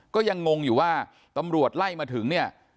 ก็ยังงงอยู่ว่าตำรวจไล่มาถึงเนี่ย